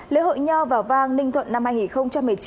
lễ hội nho và vang ninh thuận năm hai nghìn một mươi chín